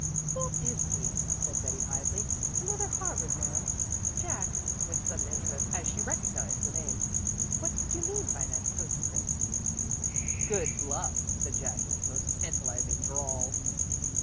"Who is he?" said Betty idly. "Another Harvard man? Jack" with sudden interest, as she recognized the name "what did you mean by that postscript?" "Good bluff!" said Jack in his most tantalizing drawl.